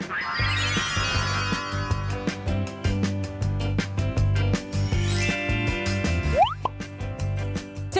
ซิโคงหมูสับ๑